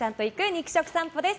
肉食さんぽです。